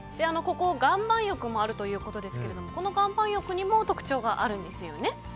ここ、岩盤浴もあるということですけれどもこの岩盤浴にも特徴があるんですよね。